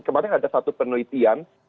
kemarin ada satu penelitian